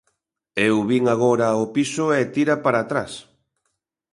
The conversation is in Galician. Eu vin agora o piso e tira para atrás.